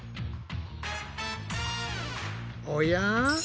おや？